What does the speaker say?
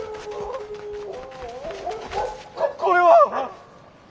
ここれは！